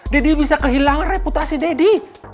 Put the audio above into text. deddy bisa kehilangan reputasi deddy